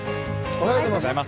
おはようございます。